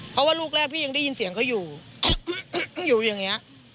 เพราะว่าลูกแรกพี่ยังได้ยินเสียงเขาอยู่อย่างนี้